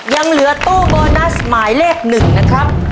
ยังเหลือตู้โบนัสหมายเลข๑นะครับ